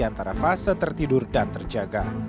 antara fase tertidur dan terjaga